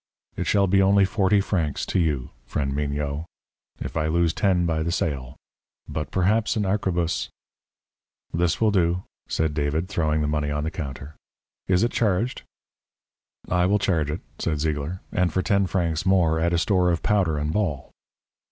it shall be only forty francs to you, friend Mignot if I lose ten by the sale. But perhaps an arquebuse " "This will do," said David, throwing the money on the counter. "Is it charged?" "I will charge it," said Zeigler. "And, for ten francs more, add a store of powder and ball."